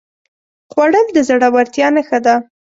خوړل د زړورتیا نښه ده